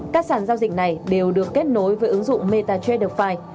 các sàn giao dịch này đều được kết nối với ứng dụng metatraderfive